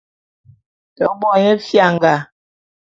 Te bo nye fianga.